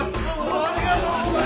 ・ありがとうございます！